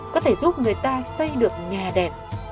có thể giúp người ta xây được nhà đẹp